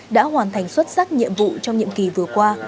đã hoàn thành xuất sắc nhiệm vụ trong nhiệm kỳ vừa qua